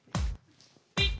ピッ！